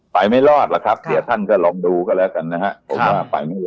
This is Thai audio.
ไปไม่รอดหรอกครับเดี๋ยวท่านก็ลองดูก็แล้วกันนะครับ